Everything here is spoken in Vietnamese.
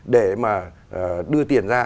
để mà đưa tiền ra